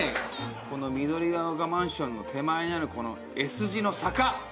この緑ヶ丘マンションの手前にあるこのＳ字の坂